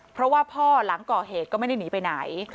เพราะว่าพ่อหลังก่อเหตุก็ไม่ได้หนีไปไหน